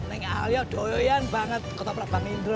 ini alia doyan banget ketoprak pak mindro